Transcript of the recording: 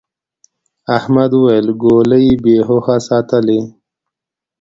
احمد وويل: گولۍ بې هوښه ساتلې.